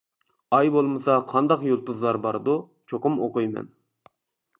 ئاي بولمىسا قانداق يۇلتۇزلار باردۇ. چوقۇم ئوقۇيمەن.